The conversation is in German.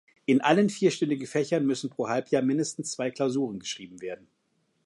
In allen vierstündigen Fächern müssen pro Halbjahr mindestens zwei Klausuren geschrieben werden.